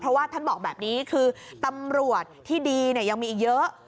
เพราะว่าท่านบอกแบบนี้คือตำรวจที่ดียังมีอีกเยอะ